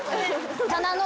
棚の。